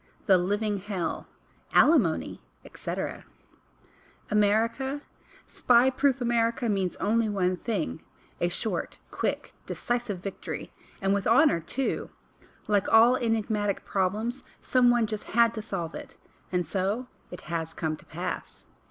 "The Living Hell," "Alimony," Etc 1 1 1 AMERICA : 1 i 1 1 1 •QPY PROOF America means only one, thing— a O short, quick, decisive victory— and with honor, too! Like all enigmatic problems, some one just had to solve it— and so it has come to pass.